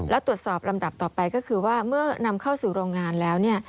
แล้วตรวจสอบลำดับต่อไปก็คือว่าเมื่อนำเข้าสู่โรงงานแล้วเนี่ย